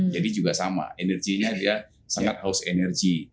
jadi juga sama energinya dia sangat haus energi